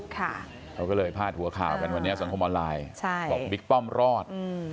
เขาก็เลยพาดหัวข่าวกันวันนี้สังคมออนไลน์บอกบิ๊กป้อมรอด